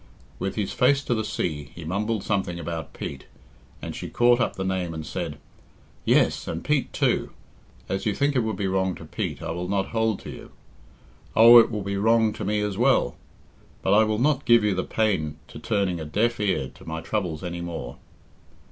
With his face to the sea, he mumbled something about Pete, and she caught up the name and said, "Yes, and Pete too. As you think it would be wrong to Pete, I will not hold to you. Oh, it will be wrong to me as well! But I will not give you the pain of turning a deaf ear to my troubles any more."